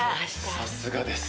さすがです。